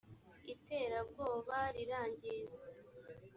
iterabwoba rirangiza